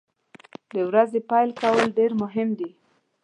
د ورځې پیل کول ډیر مهم دي.